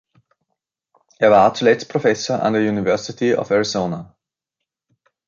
Er war zuletzt Professor an der University of Arizona.